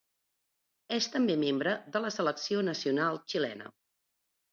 És també membre de la selecció nacional xilena.